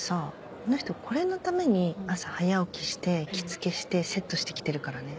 この人これのために朝早起きして着付けしてセットして来てるからね。